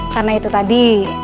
karena itu tadi